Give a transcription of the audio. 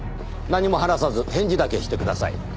何も話さず返事だけしてください。